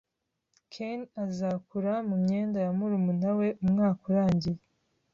Ken azakura mumyenda ya murumuna we umwaka urangiye